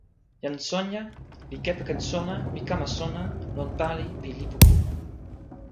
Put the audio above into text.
jan Sonja li kepeken sona pi kama sona lon pali pi lipu ku.